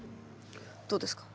どうですか？